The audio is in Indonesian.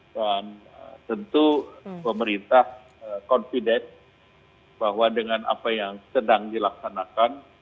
dan tentu pemerintah confident bahwa dengan apa yang sedang dilaksanakan